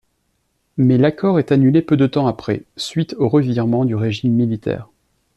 Mais l'accord est annulé peu de temps après, suite au revirement du régime militaire.